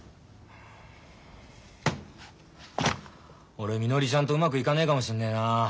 俺みのりちゃんとうまくいかねえかもしんねえな。